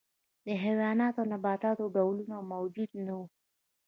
د حیواناتو او نباتاتو ډولونه موجود نه وو.